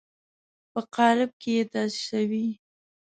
په قالب کې یې تاسیسوي.